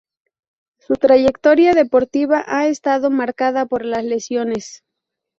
Su trayectoria deportiva ha estado marcada por las lesiones.